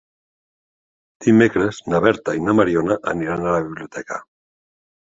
Dimecres na Berta i na Mariona aniran a la biblioteca.